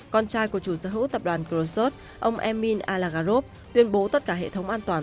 con trai của chủ sở hữu tập đoàn crosso city ông emin alagharov tuyên bố tất cả hệ thống an toàn